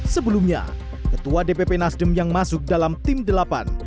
sebelumnya ketua dpp nasdem yang masuk dalam tim delapan